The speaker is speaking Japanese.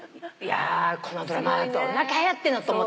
このドラマどんだけはやってんのと思った。